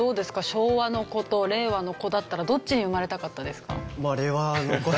昭和の子と令和の子だったらどっちに生まれたかったですか？